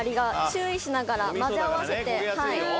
注意しながら混ぜ合わせてはい。